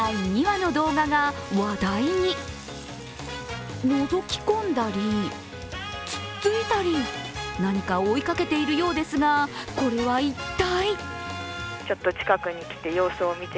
のぞき込んだり、つっついたり、何かを追いかけているようですがこれは一体？